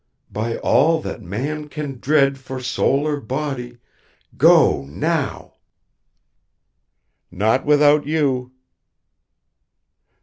By all that man can dread for soul or body, go now." "Not without you."